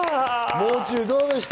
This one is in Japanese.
もう中どうでした？